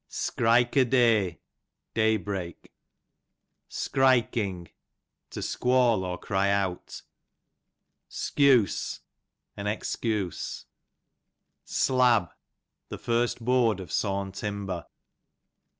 Ski'ike o'dey, day break. Shrikeing, to squall, or cry out. Skuse, ail excuse. Slab, the first board of sawn timber.